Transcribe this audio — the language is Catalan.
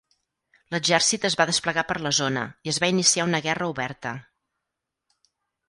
L'exèrcit es va desplegar per la zona i es va iniciar una guerra oberta.